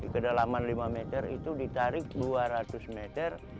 kedalaman lima meter itu ditarik dua ratus meter